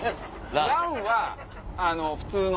ランは普通の。